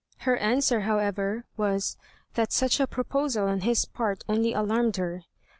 Her answer, however, was "That such a proposal on his part only alarmed her."